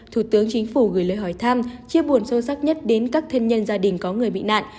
thủ tướng chính phủ gửi lời hỏi thăm chia buồn sâu sắc nhất đến các thân nhân gia đình có người bị nạn